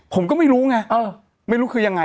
ผมก็ไม่รู้ไงไม่รู้คือยังไง